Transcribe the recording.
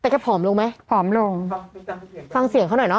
แต่แกผอมลงไหมผอมลงฟังเสียงเขาหน่อยเนา